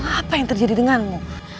apa yang terjadi denganmu